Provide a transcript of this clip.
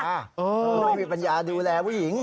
ไม่มีปัญญาดูแลผู้หญิง